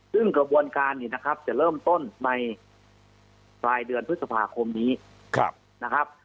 ซึ่งกระบวนการเนี่ยนะครับจะเริ่มต้นในปลายเดือนพฤษภาคมนี้นะครับ